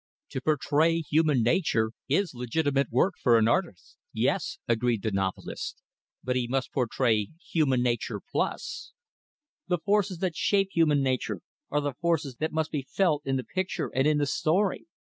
"To portray human nature is legitimate work for an artist, yes" agreed the novelist "but he must portray human nature plus. The forces that shape human nature are the forces that must be felt in the picture and in the story.